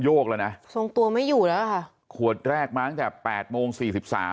โยกแล้วนะส่งตัวไม่อยู่แล้วค่ะขวดแรกมาจาก๘โมง๔๓อ่ะ